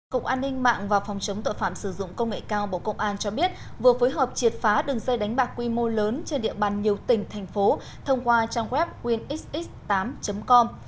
cục an ninh mạng và phòng chống tội phạm sử dụng công nghệ cao bộ công an cho biết vừa phối hợp triệt phá đường dây đánh bạc quy mô lớn trên địa bàn nhiều tỉnh thành phố thông qua trang web winxx tám com